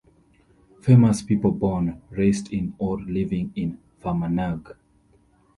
Famous people born, raised in or living in Fermanagh.